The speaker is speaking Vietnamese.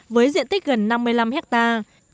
với diện tích gần năm mươi năm hectare